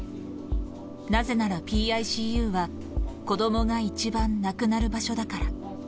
なぜならＰＩＣＵは、子どもが一番亡くなる場所だから。